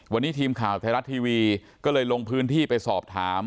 วันนี้ทีมข่าวไทยรัฐทีวีก็เลยลงพื้นที่ไปสอบถาม